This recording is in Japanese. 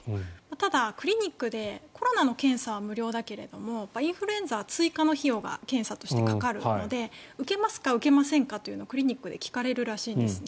ただ、クリニックでコロナの検査は無料だけれどもインフルエンザは追加の費用が検査としてかかるので受けますか、受けませんかというのをクリニックで聞かれるらしいんですね。